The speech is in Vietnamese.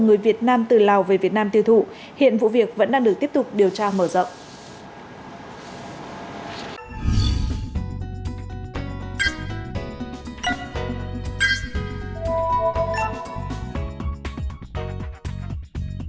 người việt nam từ lào về việt nam tiêu thụ hiện vụ việc vẫn đang được tiếp tục điều tra mở rộng